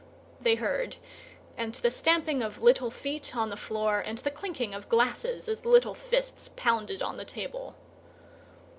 they heard, and the stamping of little feet on the floor, and the clinking of glasses as little fists pounded on the table.